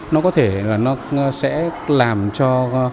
nó có thể là sẽ làm cho